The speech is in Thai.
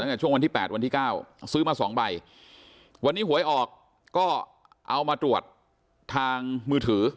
ตั้งแต่ช่วงวันที่๘วันที่๙ซื้อมาสองใบวันนี้หวยออกก็เอามาตรวจทางมือถือ